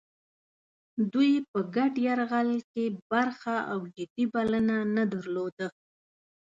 دوی په ګډ یرغل کې برخه او جدي بلنه نه درلوده.